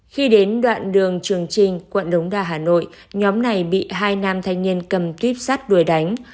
khi đến đoạn đường trường trinh quận đống đa hà nội nhóm này bị hai nam thanh niên cầm tuyếp sắt đuổi đánh